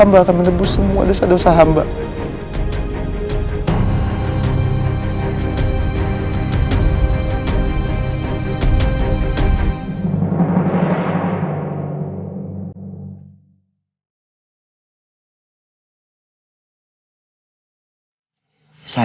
mbak akan tetap berusaha untuk menjadi orang yang lebih baik lagi sekarang ya allah